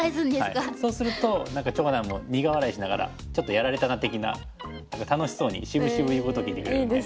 そうすると何か長男も苦笑いしながらちょっとやられたな的な楽しそうにしぶしぶ言うこと聞いてくれるので。